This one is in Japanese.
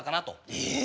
ええ？